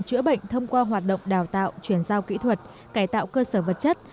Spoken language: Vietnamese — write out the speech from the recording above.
chữa bệnh thông qua hoạt động đào tạo chuyển giao kỹ thuật cải tạo cơ sở vật chất